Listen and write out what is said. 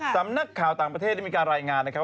สำนักข่าวต่างประเทศได้มีการรายงานนะครับ